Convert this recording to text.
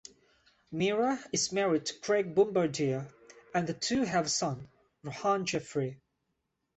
Meera is married to Craig Bombardiere and the two have a son, Rohan Jaffrey.